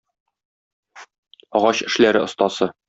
Агач эшләре остасы